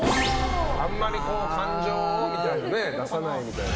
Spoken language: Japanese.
あんまり感情を出さないみたいな。